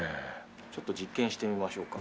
ちょっと実験してみましょうか。